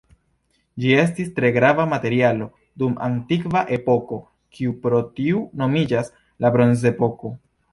Ĝi estis tre grava materialo dum antikva epoko, kiu pro tiu nomiĝas la bronzepoko.